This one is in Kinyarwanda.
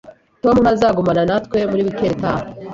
Tom ntazagumana natwe muri wikendi itaha